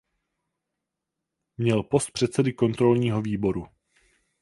Měl post předsedy kontrolního výboru.